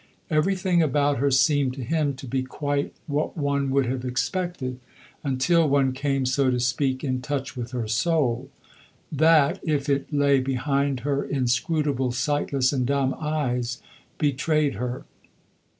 Everything about her seemed to him to be quite what one would have expected, until one came, so to speak, in touch with her soul. That, if it lay behind her inscrutable, sightless and dumb eyes, betrayed her.